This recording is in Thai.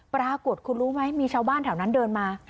ปรากฏคุณรู้ไหมมีชาวบ้านแถวนั้นเดินมา